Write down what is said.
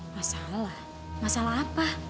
masalah masalah apa